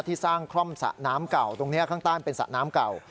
ที่สร้างคล่อมสระน้ำเก่าตรงนี้ข้างใต้เป็นสระน้ำเก่า